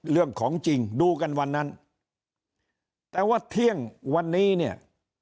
เรื่องของจริงดูกันวันนั้นแต่ว่าเที่ยงวันนี้เนี่ย